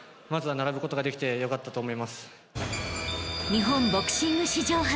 ［日本ボクシング史上初］